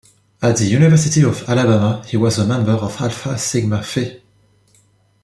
At the University of Alabama he was a member of Alpha Sigma Phi.